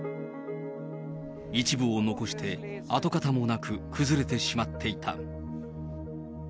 一部を残して、跡形もなく崩れてしまっていた。